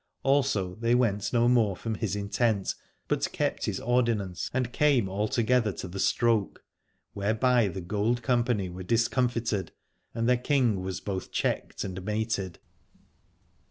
Also they went no more from his intent, but kept his ordinance and came all together to the stroke : whereby the gold company were discomfited and their king was both checked and mated.